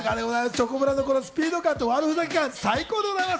チョコプラのスピード感とわるふざけ感、最高です。